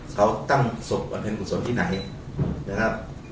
เขาตั้งศพบำเพ็ญกุศลที่ไหนนะครับ